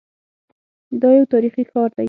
دا یو تاریخي ښار دی.